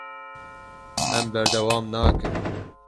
Em berdewam nakin.